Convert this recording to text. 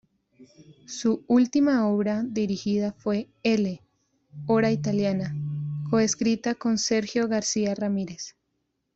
Su última obra dirigida fue "L´Ora Italiana", coescrita con Sergio García-Ramírez.